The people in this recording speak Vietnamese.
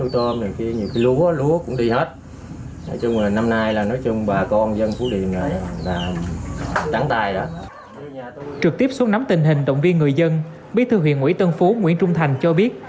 trực tiếp xuống nắm tình hình động viên người dân bí thư huyện ủy tân phú nguyễn trung thành cho biết